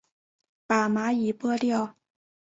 把蚂蚁拨掉